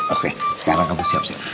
oke sekarang kamu siap siap